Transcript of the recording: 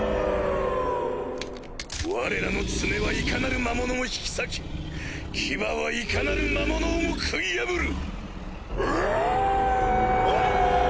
われらの爪はいかなる魔物も引き裂き牙はいかなる魔物をも食い破る！